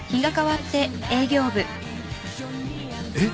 えっ？